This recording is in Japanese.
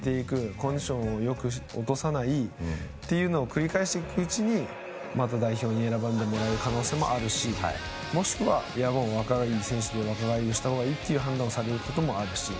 コンディションを落とさないっていうのを繰り返していくうちにまた代表に呼んでもらえる可能性もあるしもしくは、もう若い選手で若返りをした方がいいっていう判断をされることもあるし。